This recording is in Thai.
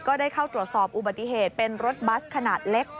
ได้เข้าตรวจสอบอุบัติเหตุเป็นรถบัสขนาดเล็ก